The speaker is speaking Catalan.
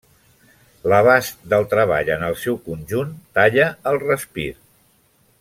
L'abast del treball en el seu conjunt talla el respir.